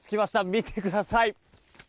見てください。